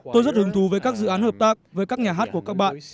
tôi rất hứng thú với các dự án hợp tác với các nhà hát của các bạn